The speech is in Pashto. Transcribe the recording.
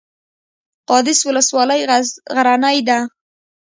قادس ولسوالۍ غرنۍ ده؟